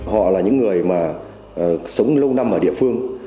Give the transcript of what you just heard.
họ là những người mà sống lâu năm ở địa phương